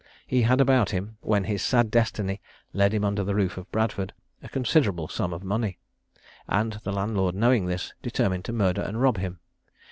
He had about him, when his sad destiny led him under the roof of Bradford, a considerable sum of money; and the landlord knowing this, determined to murder and rob him.